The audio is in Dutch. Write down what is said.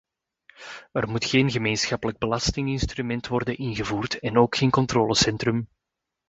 Er moet geen gemeenschappelijk belastinginstrument worden ingevoerd en ook geen controlecentrum.